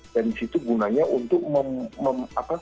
dan disitu gunanya untuk mem